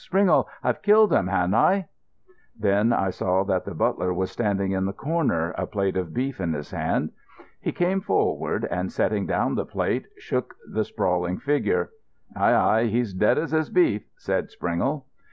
"Springle, I've killed him, ha'n't I?" Then I saw that the butler was standing in the corner, a plate of beef in his hand. He came forward and, setting down the plate, shook the sprawling figure. "Aye, aye, he's dead as his beef," said Springle.